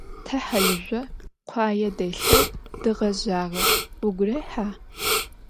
Te halızjo khuaê delheu dğezjağe. Vugu rêha?